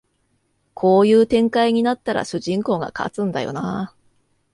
こういう展開になったら主人公が勝つんだよなあ